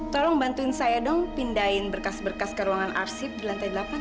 tolong bantuin saya dong pindahin berkas berkas ke ruangan arsip di lantai delapan